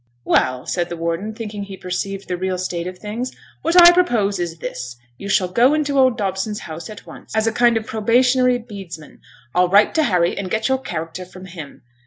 'Well!' said the warden, thinking he perceived the real state of things, 'what I propose is this. You shall go into old Dobson's house at once, as a kind of probationary bedesman. I'll write to Harry, and get your character from him.